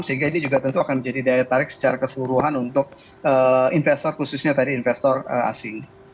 sehingga ini juga tentu akan menjadi daya tarik secara keseluruhan untuk investor khususnya tadi investor asing